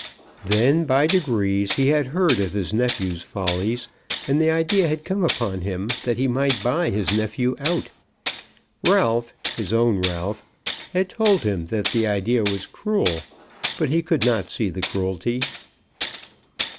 Then by degrees he had heard of his nephew's follies, and the idea had come upon him that he might buy his nephew out. Ralph, his own Ralph, had told him that the idea was cruel; but he could not see the cruelty.